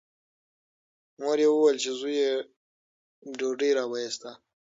مور یې وویل چې زوی یې ډوډۍ راوایسته.